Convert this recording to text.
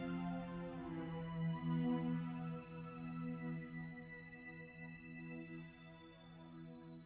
aku sudah berjalan